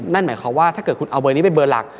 นั่นหมายความว่าถ้าเกิดคุณเอาเบอร์นี้เป็นเบอร์หลัก